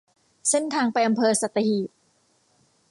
เส้นทางไปอำเภอสัตหีบ